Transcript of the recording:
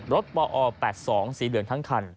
ปอ๘๒สีเหลืองทั้งคัน